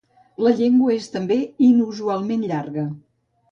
La llengua és també inusualment llarga.